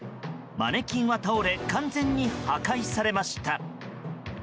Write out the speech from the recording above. マネキンは倒れ完全に破壊されました。